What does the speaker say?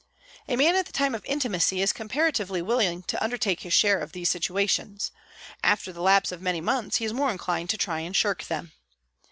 A man at the time of intimacy is comparatively willing to undertake his share of these situations ; after the lapse of many months he is more inclined to try and shirk them.